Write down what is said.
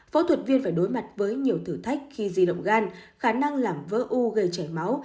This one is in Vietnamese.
phẫu thuật viên phải đối mặt với nhiều thử thách khi di động gan khả năng làm vỡ u gây chảy máu